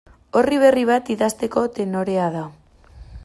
Orri berri bat idazteko tenorea da.